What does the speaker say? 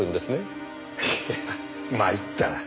いや参ったな。